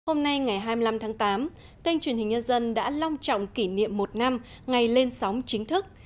hôm nay ngày hai mươi năm tháng tám kênh truyền hình nhân dân đã long trọng kỷ niệm một năm ngày lên sóng chính thức